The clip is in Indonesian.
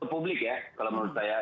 publik ya kalau menurut saya